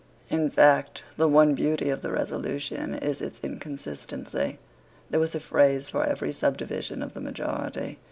In fact the one beauty of the resolution is its inconsistency. There was a phrase for every subdivision of the majority.